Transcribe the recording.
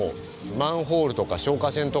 マンホールとか消火栓とかえ